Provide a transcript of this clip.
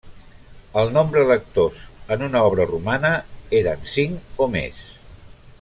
El nombre d'actors, en una obra romana, eren cinc o més.